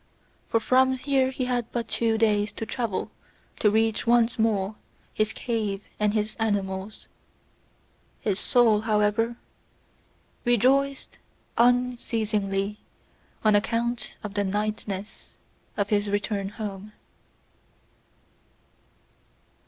For from here he had but two days to travel to reach once more his cave and his animals; his soul, however, rejoiced unceasingly on account of the nighness of his return home.